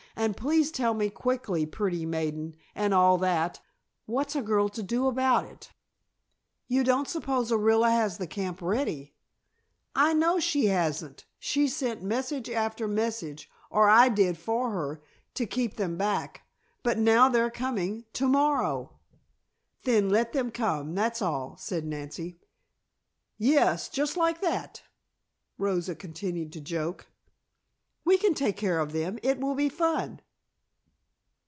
"And please tell me quickly, pretty maiden, and all that, what's a girl to do about it?" "You don't suppose Orilla has the camp ready?" "I know she hasn't. She sent message after message, or I did for her, to keep them back. But now they're coming to morrow!" "Then, let them come, that's all," said Nancy. "Yes, just like that," Rosa continued to joke. "We can take care of them. It will be fun."